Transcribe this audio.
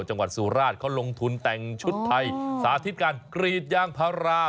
จังหวัดสุราชเขาลงทุนแต่งชุดไทยสาธิตการกรีดยางพารา